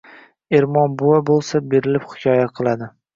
Ermon buva bo‘lsa berilib hikoya qiladi.